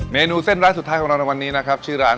เมนูเส้นร้านสุดท้ายของเราในวันนี้นะครับชื่อร้าน